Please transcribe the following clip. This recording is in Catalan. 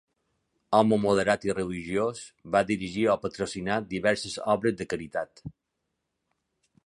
Home moderat i religiós, va dirigir o patrocinar diverses obres de caritat.